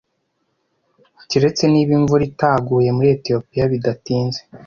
Keretse niba imvura itaguye muri Etiyopiya bidatinze,